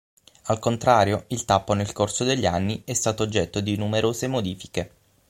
Al contrario il tappo nel corso degli anni è stato oggetto di numerose modifiche.